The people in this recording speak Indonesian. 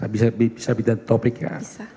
bisa bicarakan topik ya